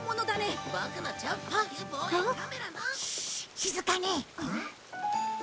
静かに！